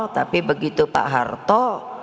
tapi begitu pak harto